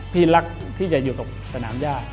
พี่รักที่จะอยู่กับสนามย่า